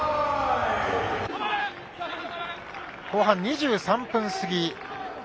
後半２３分過ぎ。